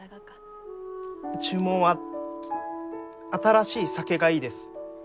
注文は新しい酒がいいです。